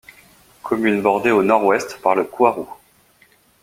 Commune bordée au nord-ouest par le Coiroux.